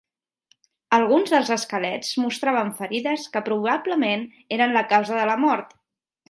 Alguns dels esquelets mostraven ferides que probablement eren la causa de la mort.